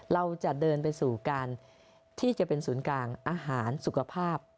เราจะเดินไปสู่การที่จะเป็นศูนย์กลางอาหารสุขภาพ